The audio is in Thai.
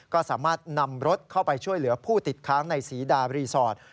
ก็สามารถนำรถเข้าไปช่วยเหลือผู้ติดค้างในศรีดารีสอร์ท